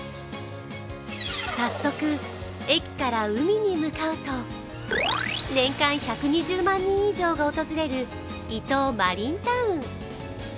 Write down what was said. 早速、駅から海に向かうと年間１２０万人以上が訪れる伊東マリンタウン。